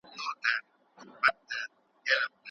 ځان یې ورک کړ بل حیوان ورته ښکاره سو